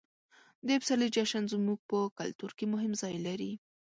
د پسرلي جشن زموږ په کلتور کې مهم ځای لري.